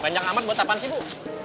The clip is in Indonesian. banyak amat buat apaan sih bu